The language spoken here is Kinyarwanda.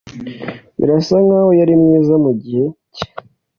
Birasa nkaho yari mwiza mugihe cye.